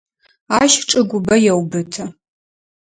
Ащ чӏыгубэ еубыты.